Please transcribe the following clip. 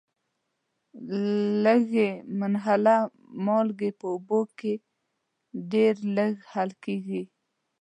لږي منحله مالګې په اوبو کې ډیر لږ حل کیږي.